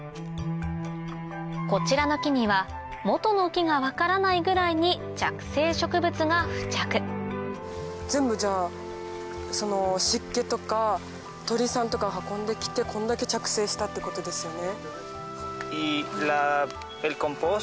こちらの木には元の木が分からないぐらいに着生植物が付着全部じゃあ湿気とか鳥さんとかが運んできてこんだけ着生したってことですよね。